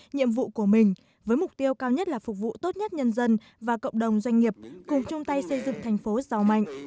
nhiệm vụ của mình với mục tiêu cao nhất là phục vụ tốt nhất nhân dân và cộng đồng doanh nghiệp cùng chung tay xây dựng thành phố giàu mạnh